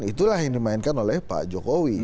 itulah yang dimainkan oleh pak jokowi